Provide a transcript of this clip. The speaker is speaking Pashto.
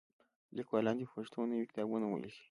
لیکوالان دې په پښتو نوي کتابونه ولیکي.